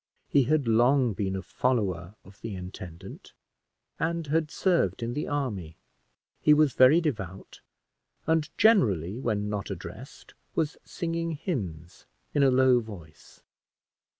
He had long been a follower of the intendant, and had served in the army. He was very devout, and generally, when not addressed, was singing hymns in a low voice.